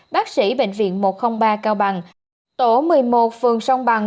bác sĩ bệnh viện một trăm linh ba cao bằng tổ một mươi một phường sông bằng